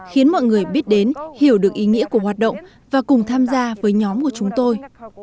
khiến mọi người biết đến hiểu được ý nghĩa của hoạt động và cùng tham gia với nhóm của chúng tôi